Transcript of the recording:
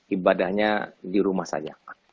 ibadahnya di rumah saja